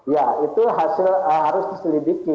ya itu harus diselidiki